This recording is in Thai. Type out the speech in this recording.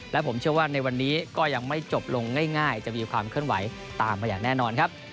และผมเชื่อว่าในวันนี้ก็ยังไม่จบลงง่ายจะมีความเคลื่อนไหวตามมาอย่างแน่นอนครับ